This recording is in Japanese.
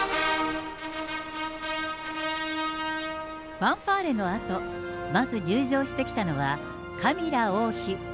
ファンファーレのあと、まず入場してきたのは、カミラ王妃。